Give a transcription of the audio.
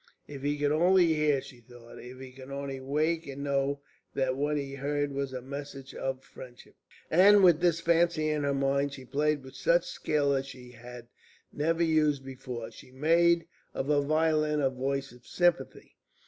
"If he could only hear!" she thought. "If he could only wake and know that what he heard was a message of friendship!" And with this fancy in her mind she played with such skill as she had never used before; she made of her violin a voice of sympathy.